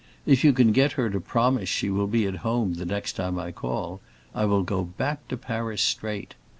If you can get her to promise she will be at home the next time I call, I will go back to Paris straight.